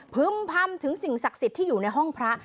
พึ่มพำถึงสิ่งศักดิ์สิทธิ์ที่อยู่ในห้องพระ